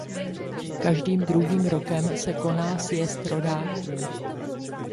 Každým druhým rokem se koná sjezd rodáků.